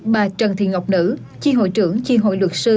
bà trần thị ngọc nữ chi hội trưởng chi hội luật sư